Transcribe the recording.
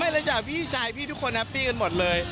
ไม่แล้วจากพี่ชายพี่ทุกคนนะพี่กันหมดเลย